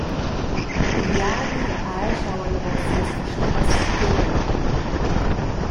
Il viadi ha era schau anavos ses fastitgs tier ella.